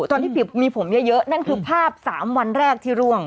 พี่มีผมเยอะนั่นคือภาพ๓วันแรกที่ร่วง